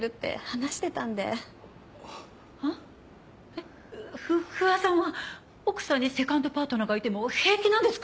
えっ不破さんは奥さんにセカンドパートナーがいても平気なんですか？